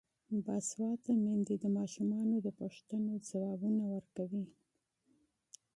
باسواده میندې د ماشومانو د پوښتنو ځوابونه ورکوي.